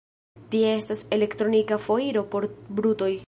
Tie estas elektronika foiro por brutoj.